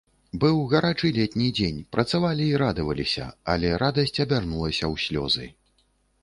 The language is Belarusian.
Быў гарачы летні дзень, працавалі і радаваліся, але радасць абярнулася ў слёзы.